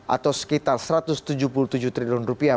atau sekitar satu ratus tujuh puluh tujuh triliun rupiah